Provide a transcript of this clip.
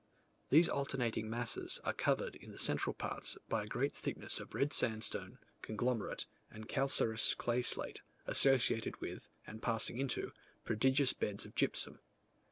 These alternating masses are covered in the central parts, by a great thickness of red sandstone, conglomerate, and calcareous clay slate, associated with, and passing into, prodigious beds of gypsum.